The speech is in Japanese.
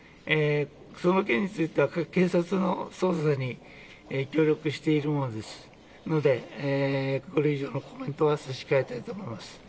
その件については警察の捜査に協力しているものですのでこれ以上のコメントは控えたいと思います。